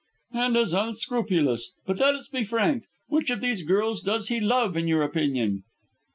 "And as unscrupulous. But let us be frank. Which of these girls does he love, in your opinion?"